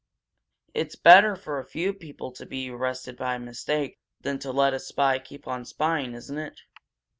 "It's better for a few people to be arrested by mistake than to let a spy keep on spying, isn't it?"